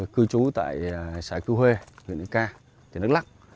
cư trú tại xã cư huê huyện ek nước lắc